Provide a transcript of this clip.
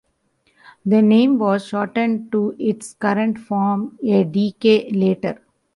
The name was shortened to its current form a decade later.